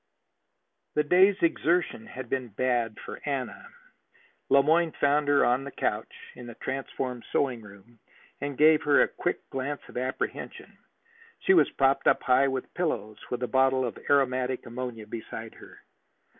The day's exertion had been bad for Anna. Le Moyne found her on the couch in the transformed sewing room, and gave her a quick glance of apprehension. She was propped up high with pillows, with a bottle of aromatic ammonia beside her.